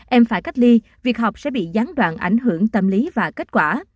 em phải cách ly việc học sẽ bị gián đoạn ảnh hưởng tâm lý và kết quả